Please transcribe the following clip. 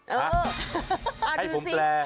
เอาละให้ผมแปร